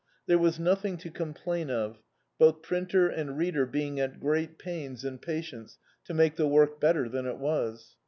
There was nothing to complain of, both printer and reader being at great pains and patience to make the work better than it was.